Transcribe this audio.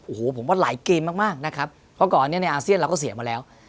โอ้โหผมว่าหลายเกมมากมากนะครับเพราะก่อนอันนี้ในอาเซียนเราก็เสียมาแล้ว